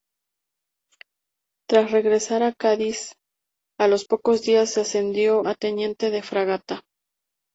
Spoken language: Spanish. Tras regresar a Cádiz a los pocos días es ascendido a teniente de fragata.